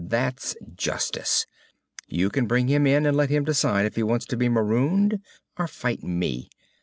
That's justice! You can bring him in and let him decide if he wants to be marooned or fight me.